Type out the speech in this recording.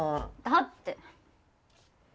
だって。